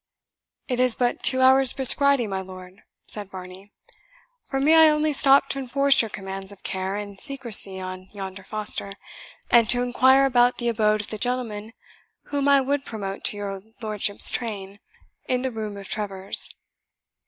"It is but two hours' brisk riding, my lord," said Varney. "For me, I only stopped to enforce your commands of care and secrecy on yonder Foster, and to inquire about the abode of the gentleman whom I would promote to your lordship's train, in the room of Trevors."